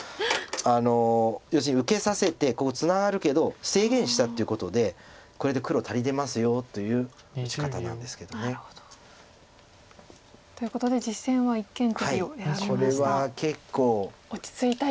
あの要するに受けさせてここツナがるけど制限したってことでこれで黒足りてますよという打ち方なんですけど。ということで実戦は一間トビを選びました。